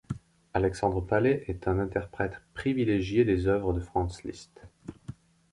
Alexandre Paley est un interprète privilégié des œuvres de Franz Liszt.